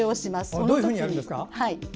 どういうふうにやるんですか？